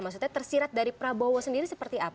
maksudnya tersirat dari prabowo sendiri seperti apa